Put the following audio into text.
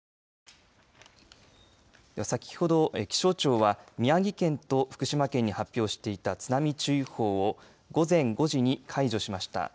では、先ほど気象庁は宮城県と福島県に発表していた津波注意報を午前５時に解除しました。